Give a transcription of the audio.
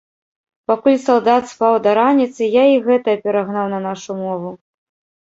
Пакуль салдат спаў да раніцы, я і гэтае перагнаў на нашу мову.